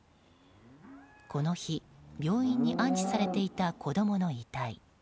この日、病院に安置されていた子供の遺体。